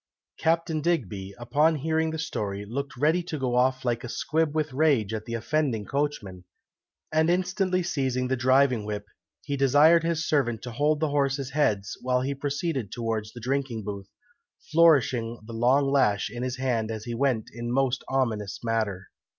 Captain Digby, upon hearing the story, looked ready to go off like a squib with rage at the offending coachman, and instantly seizing the driving whip, he desired his servant to hold the horses' heads, while he proceeded towards the drinking booth, flourishing the long lash in his hand as he went in a most ominous manner.